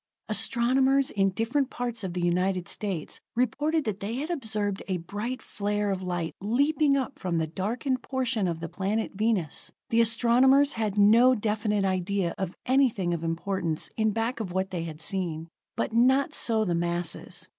Astronomers in different parts of the United States reported that they had observed a bright flare of light leaping up from the darkened portion of the planet Venus. The astronomers had no definite idea of anything of importance in back of what they had seen; but not so the masses.